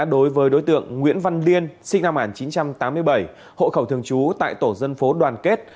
đối với đối tượng nguyễn văn liên sinh năm một nghìn chín trăm tám mươi bảy hộ khẩu thường trú tại tổ dân phố đoàn kết